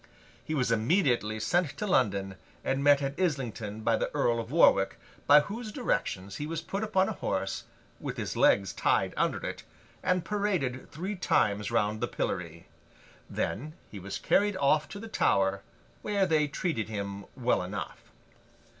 He was immediately sent to London, and met at Islington by the Earl of Warwick, by whose directions he was put upon a horse, with his legs tied under it, and paraded three times round the pillory. Then, he was carried off to the Tower, where they treated him well enough.